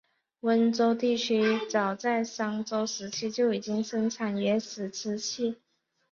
温州地区早在商周时期就已经生产原始瓷器。